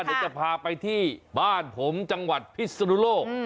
เดี๋ยวจะพาไปที่บ้านผมจังหวัดพิศนุโลก